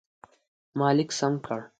ما لیک سم کړ.